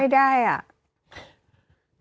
ไม่ได้อ่ะ